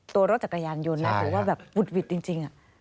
ตัวรถจักรยานยนต์นะถูกว่าแบบอุดหวิดจริงอ่ะใช่ค่ะ